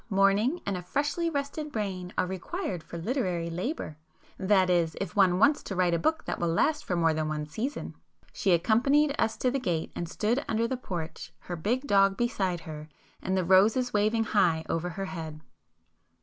Morning, and a freshly rested brain are required for literary labour,—that is, if one [p 325] wants to write a book that will last for more than one 'season.'" She accompanied us to the gate and stood under the porch, her big dog beside her, and the roses waving high over her head.